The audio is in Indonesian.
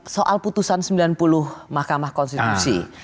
soal putusan sembilan puluh mahkamah konstitusi